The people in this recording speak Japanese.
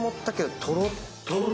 これとろっとろ。